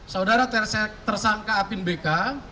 saudara tersangka apin bk